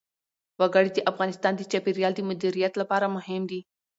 وګړي د افغانستان د چاپیریال د مدیریت لپاره مهم دي.